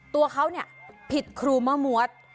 ตัวเขาเนี่ยผิดครูมะมวด